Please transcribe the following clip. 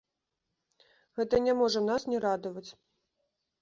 Гэта не можа нас не радаваць.